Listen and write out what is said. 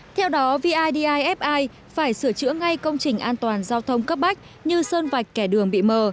theo đó vidifi phải sửa chữa ngay công trình an toàn giao thông cấp bách như sơn vạch kẻ đường bị mờ